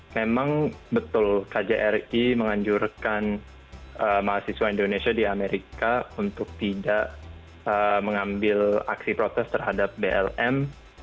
memang betul kjri menganjurkan mahasiswa indonesia di amerika untuk tidak mengambil aksi protes terhadap blm